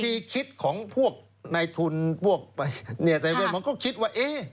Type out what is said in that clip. วิธีคิดของพวกในทุน๗๑๑ผมก็คิดว่าเอ๊ะ